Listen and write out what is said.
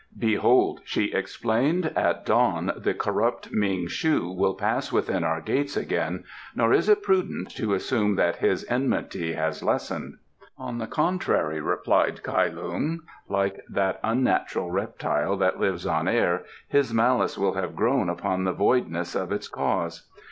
"Behold!" she explained, "at dawn the corrupt Ming shu will pass within our gates again, nor is it prudent to assume that his enmity has lessened." "On the contrary," replied Kai Lung, "like that unnatural reptile that lives on air, his malice will have grown upon the voidness of its cause.